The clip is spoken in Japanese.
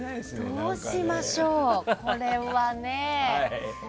どうしましょう、これはね。